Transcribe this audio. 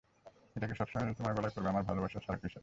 এটাকে সবসময় তোমার গলায় পরবে, আমার ভালোবাসার স্মারক হিসেবে।